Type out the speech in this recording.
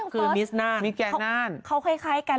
คือมิสนาน